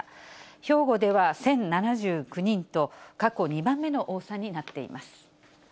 兵庫では１０７９人と、過去２番目の多さになっています。